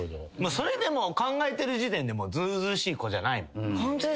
それでも考えてる時点でずうずうしい子じゃないもん。